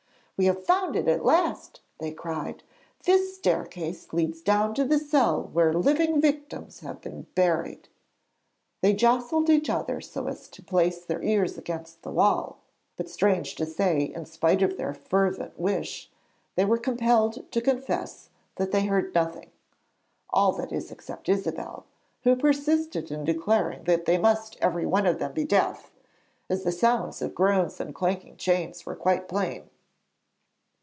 'We have found it at last!' they cried; 'this staircase leads down to the cell where living victims have been buried.' They jostled each other so as to place their ears against the wall, but strange to say, in spite of their fervent wish, they were compelled to confess that they heard nothing. All, that is except Isabelle, who persisted in declaring that they must every one of them be deaf, as the sounds of groans and clanking chains were quite plain.